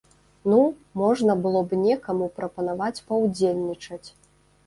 Ну, можна было б некаму прапанаваць паўдзельнічаць.